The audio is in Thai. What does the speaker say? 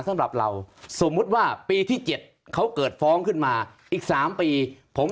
สำหรับเราสมมุติว่าปีที่๗เขาเกิดฟ้องขึ้นมาอีก๓ปีผม